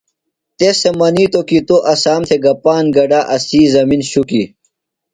تس تھےۡ منِیتوۡ کی تُوۡ اسام تھےۡ گہ پاند گڈہ، اسی زمن شُکیۡ۔